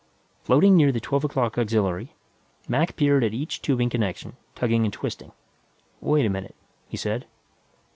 Floating near the twelve o'clock auxiliary, Mac peered at each tubing connection, tugging and twisting. "Wait a minute," he said.